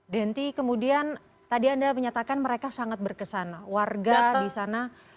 denti kemudian tadi anda menyatakan mereka sangat berkesan warga di sana